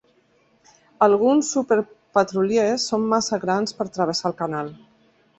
Alguns superpetroliers són massa grans per travessar el canal.